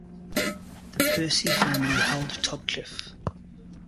The Percy family held Topcliffe.